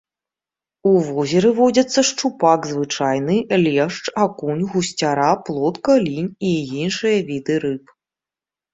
У возеры водзяцца шчупак звычайны, лешч, акунь, гусцяра, плотка, лінь і іншыя віды рыб.